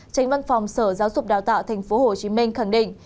tránh văn phòng sở giáo dục đào tạo thành phố hồ chí minh khẳng định